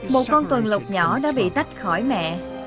một con tuần lộc nhỏ đã bị tách khỏi mẹ